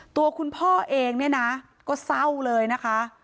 ตัวคุณพ่อเองเนี่ยนะก็เศร้าเลยนะคะ